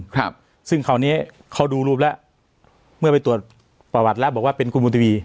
ครับซึ่งคราวเนี้ยเขาดูรูปแล้วเมื่อไปตรวจประวัติแล้วบอกว่าเป็นคุณบุญทวี